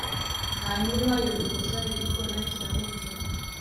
Hanyuma yohereza igikona kiramurya